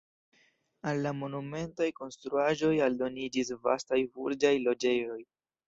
Al la monumentaj konstruaĵoj aldoniĝis vastaj burĝaj loĝejoj.